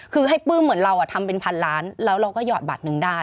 คือให้ปลื้มเหมือนเราทำเป็นพันล้านแล้วเราก็หอดบัตรหนึ่งได้